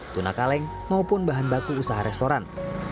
tuna kaleng maupun bahan baku usaha restoran